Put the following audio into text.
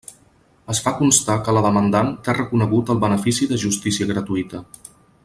Es fa constar que la demandant té reconegut el benefici de justícia gratuïta.